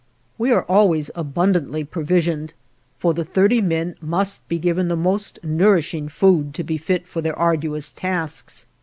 We are always abundantly provisioned; for the thirty men must be given the most nourishing food to be fit for their arduous tasks.